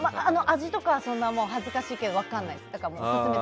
味とかは恥ずかしいけど分からないです。